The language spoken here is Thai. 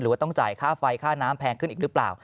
ว่าต้องจ่ายค่าไฟค่าน้ำแพงขึ้นอีกหรือเปล่า